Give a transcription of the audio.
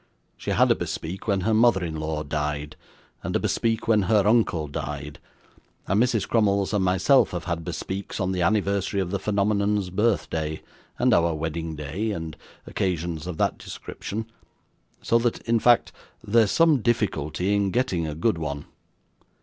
She had a bespeak when her mother in law died, and a bespeak when her uncle died; and Mrs. Crummles and myself have had bespeaks on the anniversary of the phenomenon's birthday, and our wedding day, and occasions of that description, so that, in fact, there's some difficulty in getting a good one.